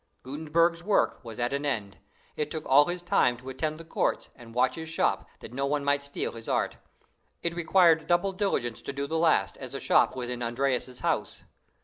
Gutenberg's work was at an end. It took all his time to attend the courts, and watch his shop, that no one might steal his art. It required double diligence to do the last, as the shop was in Andreas's house.